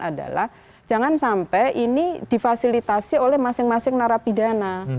adalah jangan sampai ini difasilitasi oleh masing masing narapidana